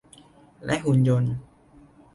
และหุ่นยนต์